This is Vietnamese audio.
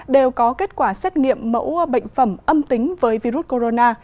đều có kết quả xét nghiệm mẫu bệnh phẩm âm tính với virus corona